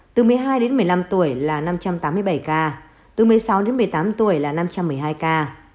từ một mươi hai đến một mươi năm tuổi là năm trăm tám mươi bảy ca từ một mươi sáu đến một mươi tám tuổi là năm trăm một mươi hai ca